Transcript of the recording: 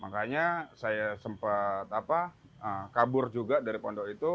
makanya saya sempat kabur juga dari pondok itu